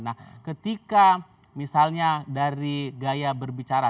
nah ketika misalnya dari gaya berbicara